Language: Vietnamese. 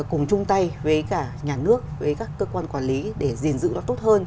cùng chung tay với cả nhà nước với các cơ quan quản lý để gìn giữ nó tốt hơn